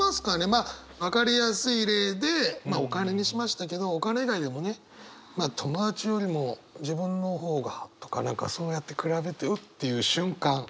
まあ分かりやすい例でお金にしましたけどお金以外でもね友達よりも自分の方がとか何かそうやって比べて「うっ」ていう瞬間。